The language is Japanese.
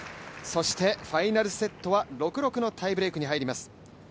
そしてファイナルセットは６−６のタイブレークに入ります。